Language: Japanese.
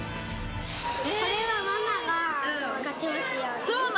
これはママが勝てますように。